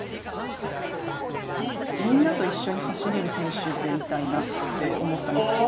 みんなと一緒に走れる選手でいたいなと思ったんです。